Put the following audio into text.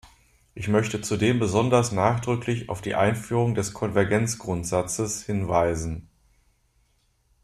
Ich möchte zudem besonders nachdrücklich auf die Einführung des Konvergenzgrundsatzes hinweisen.